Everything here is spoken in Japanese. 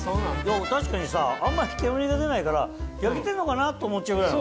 確かにさあんまり煙が出ないから焼けてるのかな？と思っちゃうぐらいなの。